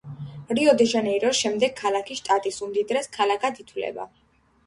რიო-დე-ჟანეიროს შემდეგ, ქალაქი შტატის უმდიდრეს ქალაქად ითვლება.